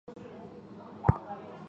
山脉本身为天然界山。